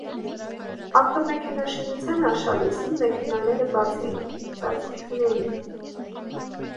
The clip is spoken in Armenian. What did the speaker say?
Ավտոմեքենաշինության արշալույսին մեքենաները բաց էին՝ ծածկ չունեին։